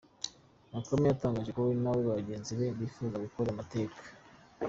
Bakame yatangaje ko we na bagenzi be bifuza gukora amateka.